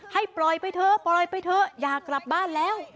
ให้ปล่อยไปเถอะปล่อยไปเถอะอยากกลับบ้านแล้ว